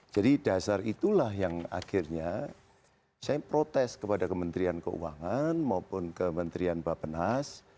jadi dasar itulah yang akhirnya saya protes kepada kementerian keuangan maupun kementerian bapak nas